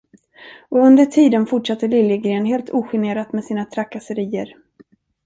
Och under tiden fortsatte Liljegren helt ogenerat med sina trakasserier.